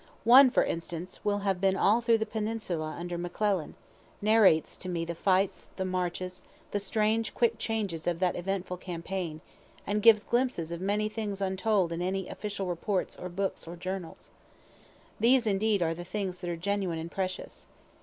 One, for instance, will have been all through the peninsula under McClellan narrates to me the fights, the marches, the strange, quick changes of that eventful campaign, and gives glimpses of many things untold in any official reports or books or journals. These, indeed, are the things that are genuine and precious.